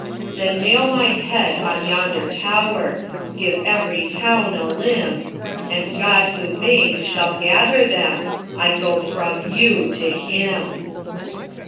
Then nail my head on yonder tower, Give every town a limb, And God who made shall gather them:I go from you to Him!"